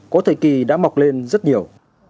có thời kỳ đã mọc lên rất nhiều